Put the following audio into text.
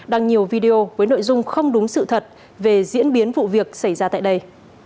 đăng nhiều video với nội dung không đúng sự thật về diễn biến vụ việc xảy ra tại đây